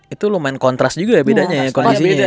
itu lumayan kontras juga ya bedanya ya kondisinya ya